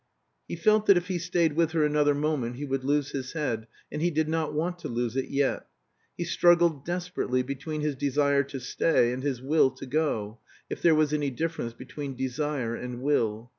He felt that if he stayed with her another moment he would lose his head, and he did not want to lose it yet! He struggled desperately between his desire to stay and his will to go if there was any difference between desire and will.